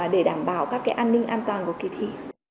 để đảm bảo các cái an ninh an toàn của kỳ thi